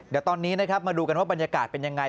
เดี๋ยวตอนนี้นะครับมาดูกันว่าบรรยากาศเป็นยังไง